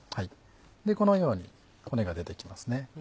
でこのように骨が出てきますね。